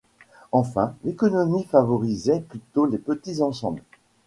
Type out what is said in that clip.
Enfin, l'économie favorisait plutôt les petits ensembles.